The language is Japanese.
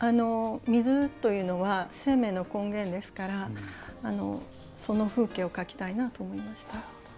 水というのは生命の根源ですからその風景を描きたいなと思いました。